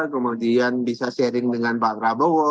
kemudian bisa sharing dengan pak prabowo